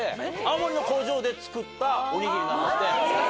青森の工場で作ったおにぎりなんだって。